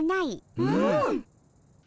うん。